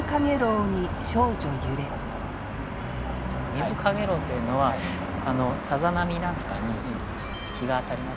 「水かげろふ」というのはよくさざ波なんかに日が当たりますよね。